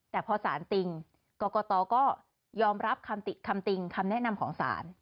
แต่พอสารติ่งกรกตก็ยอมรับคำติคำติงคำแนะนำของศาล